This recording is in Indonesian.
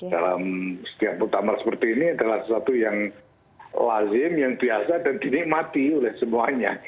dalam setiap muktamar seperti ini adalah sesuatu yang lazim yang biasa dan dinikmati oleh semuanya